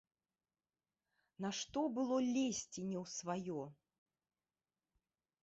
Нашто было лезці не ў сваё.